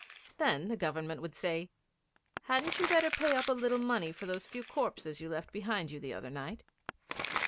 Then the Government would say: 'Hadn't you better pay up a little money for those few corpses you left behind you the other night?'